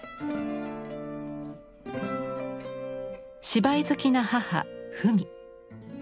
芝居好きな母婦美。